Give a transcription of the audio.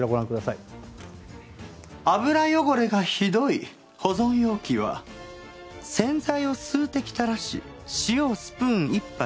油汚れがひどい保存容器は洗剤を数滴たらしスプーン一杯